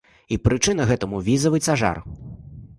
І прычына гэтаму візавы цяжар.